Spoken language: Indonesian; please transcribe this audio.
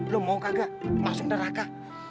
lo mau kagak masuk neraka